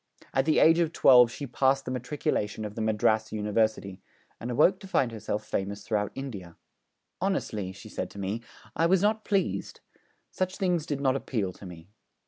At the age of twelve she passed the Matriculation of the Madras University, and awoke to find herself famous throughout India. 'Honestly,' she said to me, 'I was not pleased; such things did not appeal to me.'